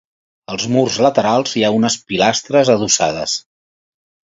Als murs laterals hi ha unes pilastres adossades.